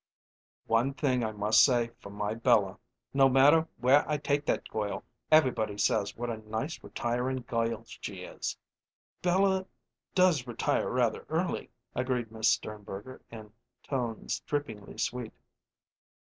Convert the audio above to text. "One thing I must say for my Bella no matter where I take that goil, everybody says what a nice, retirin' goil she is!" "Bella does retire rather early," agreed Miss Sternberger in tones drippingly sweet.